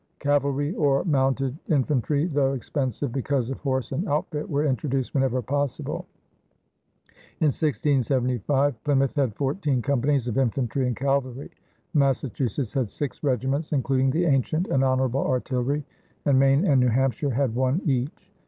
Cavalry or mounted infantry, though expensive because of horse and outfit, were introduced whenever possible. In 1675, Plymouth had fourteen companies of infantry and cavalry; Massachusetts had six regiments, including the Ancient and Honorable Artillery; and Maine and New Hampshire had one each.